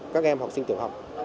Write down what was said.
các em học sinh tiểu học